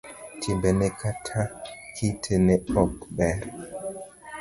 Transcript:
Timbene kata kite ne ok ber.